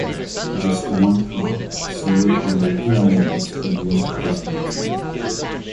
Just one car, sold under two names, used this platform.